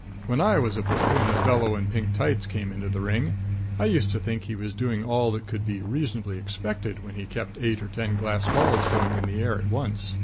When I was a boy and the fellow in pink tights came into the ring, I used to think he was doing all that could be reasonably expected when he kept eight or ten glass balls going in the air at once.